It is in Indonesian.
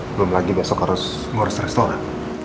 belum lagi besok harus ngurus restoran